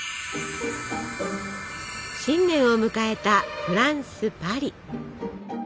新年を迎えたフランスパリ。